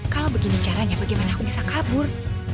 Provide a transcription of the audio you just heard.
kalau begini caranya bagaimana aku bisa kabur